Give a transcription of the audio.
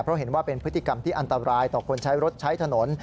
เพราะเห็นว่าเป็นพฤติกรรมที่อันตรายต่อคนใช้รถใช้ถนน